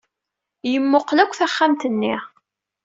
Yemmuqqel akk taxxamt-nni.